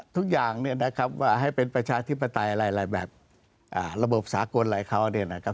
ทุกอย่างเนี่ยนะครับว่าให้เป็นประชาธิปไตยอะไรแบบระบบสากลอะไรเขาเนี่ยนะครับ